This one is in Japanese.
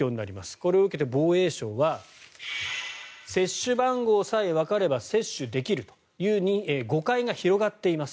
これを受けて防衛省は接種番号さえわかれば接種できるという誤解が広がっています。